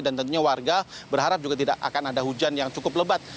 dan tentunya warga berharap juga tidak akan ada hujan yang cukup lebat